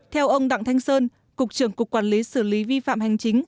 theo ông đặng thanh sơn cục trưởng cục quản lý xử lý vi phạm hành chính